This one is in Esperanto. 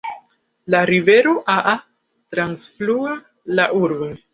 La rivero Aa trafluas la urbon.